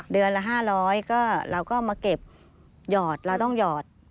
เดือนละ๕๐๐ก็เราก็มาเก็บหยอดเราต้องหยอด